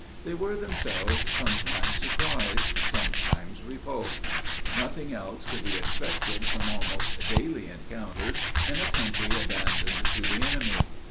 They were themselves sometimes surprised, sometimes repulsed. Nothing else could be expected from almost daily encounters in a country abandoned to the enemy.